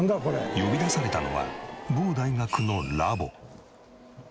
呼び出されたのは某大学のラボ。